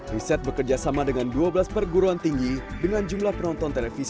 riset bekerjasama dengan dua belas perguruan tinggi dengan jumlah penonton televisi